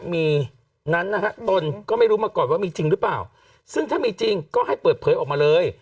มีนั้นนะฮะตนก็ไม่รู้มาก่อนว่ามีจริงหรือเปล่าซึ่งถ้ามีจริงก็ให้เปิดเผยออกมาเลย